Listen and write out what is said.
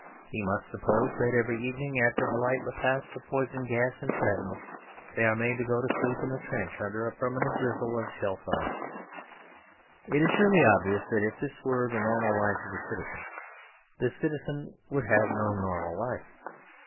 He must suppose that every evening, after a light repast of poison gas and shrapnel, they are made to go to sleep in a trench under a permanent drizzle of shell fire. It is surely obvious that if this were the normal life of the citizen, the citizen would have no normal life.